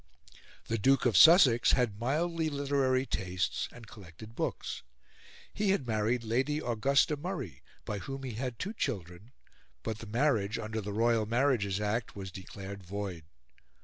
The Duke of Sussex had mildly literary tastes and collected books. He had married Lady Augusta Murray, by whom he had two children, but the marriage, under the Royal Marriages Act, was declared void.